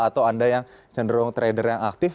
atau anda yang cenderung trader yang aktif